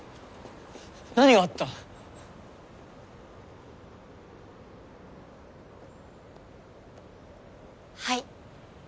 何があった⁉はい。